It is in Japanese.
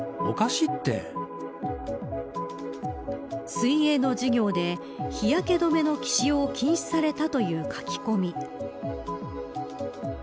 水泳の授業で日焼け止めの使用を禁止されたという書き込み。